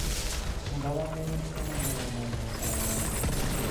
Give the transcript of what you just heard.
Babam beni İstanbul'a göndermeye karar verdi.